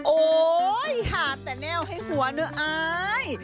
โอ๊ยหาดแต่แนวให้หัวเนอะอาย